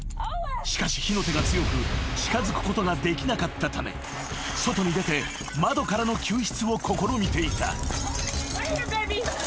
［しかし火の手が強く近づくことができなかったため外に出て窓からの救出を試みていた］